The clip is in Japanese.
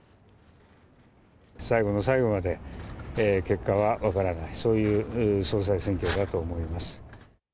最後の最後まで結果は分からない、そういう総裁選挙だと思います。